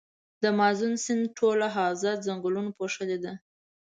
د مازون سیند ټوله حوزه ځنګلونو پوښلي ده.